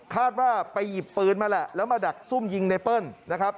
คาดว่าไปหยิบปืนมาแหละแล้วมาดักซุ่มยิงไนเปิ้ลนะครับ